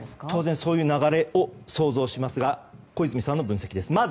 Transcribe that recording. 当然そういう流れを想像しますが小泉さんの分析です。